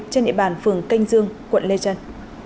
trên địa bàn phường canh dương quận lê trần